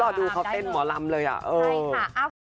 รอดูเขาเต้นหมอรำเลยอะเออใช่ค่ะ